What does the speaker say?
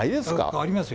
ありますよ。